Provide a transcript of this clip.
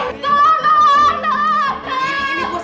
benjamu mau mau kuat